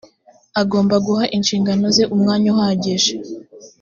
agomba guha inshingano ze umwanya uhagije